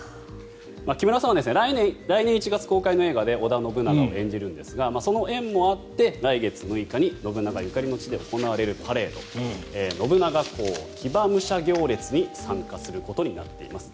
木村さんは来年１月公開の映画で織田信長を演じるんですがその縁もあって来月６日に信長ゆかりの地で行われるパレード信長公騎馬武者行列に参加することになっています。